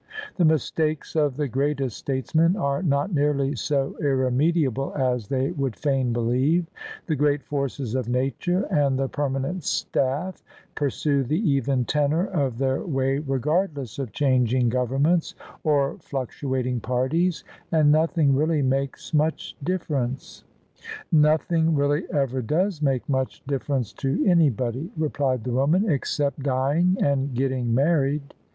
The mistakes of the greatest statesmen are not nearly so irremediable as they would fain believe. The great forces of Nature and the Permanent Staff pursue the even tenor of their way regard less of changing Governments or fluctuating parties: and nothing really makes much difference." THE SUBJECTION " Nothing really ever does make much difference to any body," replied the woman: "except dying and getting married."